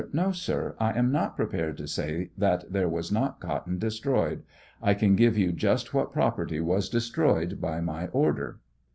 No, sir; I am not prepared to say that there was not cotton destroyed ; I can give yon just what prop erty was destroyed by my order.